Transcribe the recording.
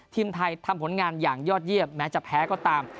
ทีมไทยทำผลงานอย่างยอดเยี่ยมแม้จะแพ้ก็ตาม